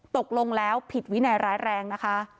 ตกลงแล้วผิดวินัยร้ายแรงนะคะ